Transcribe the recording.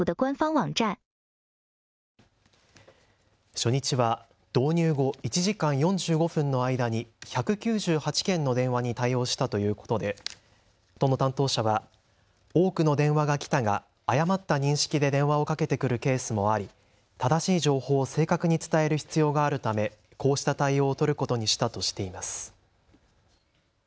初日は導入後１時間４５分の間に１９８件の電話に対応したということで都の担当者は多くの電話が来たが誤った認識で電話をかけてくるケースもあり正しい情報を正確に伝える必要があるため、こうした対応を取ることにしたとしています。